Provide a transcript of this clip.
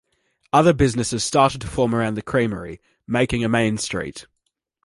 Other businesses started to form around the creamery, making a Main Street.